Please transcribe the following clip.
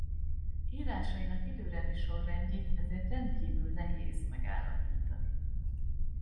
Írásainak időrendi sorrendjét ezért rendkívül nehéz megállapítani.